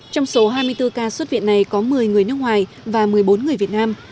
trong số hai mươi bốn ca xuất viện này có một mươi người nước ngoài và một mươi bốn người việt nam